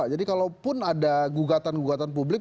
jadi kalau pun ada gugatan gugatan publik